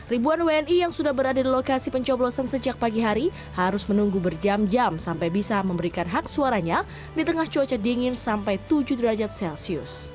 ribuan wni yang sudah berada di lokasi pencoblosan sejak pagi hari harus menunggu berjam jam sampai bisa memberikan hak suaranya di tengah cuaca dingin sampai tujuh derajat celcius